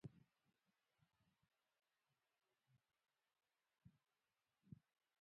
مورغاب سیند د افغانستان د جغرافیایي موقیعت پایله ده.